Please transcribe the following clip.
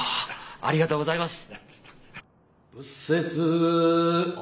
ありがとうございます。